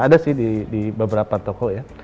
ada sih di beberapa toko ya